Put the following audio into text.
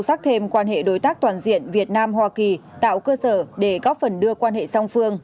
sắc thêm quan hệ đối tác toàn diện việt nam hoa kỳ tạo cơ sở để góp phần đưa quan hệ song phương